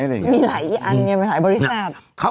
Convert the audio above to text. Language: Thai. มีหายอันยังไง